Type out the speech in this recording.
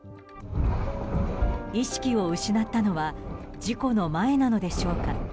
意識を失ったのは事故の前なのでしょうか。